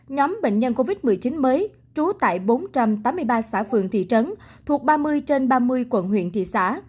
nhóm bệnh nhân covid một mươi chín mới trú tại bốn trăm tám mươi ba xã phường thị trấn thuộc ba mươi trên ba mươi quận huyện thị xã